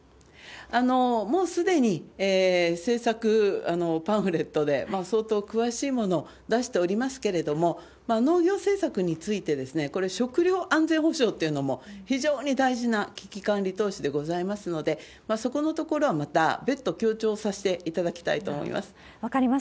もうすでに政策パンフレットで相当詳しいものを出しておりますけれども、農業政策について、これ、食糧安全保障というのも非常に大事な危機管理投資でございますので、そこのところはまた別途強調させていただきたいと思います。